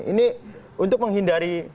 ini untuk menghindari